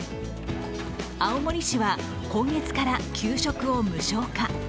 青森市は今月から給食を無償化。